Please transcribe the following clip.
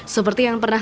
seperti yang pernah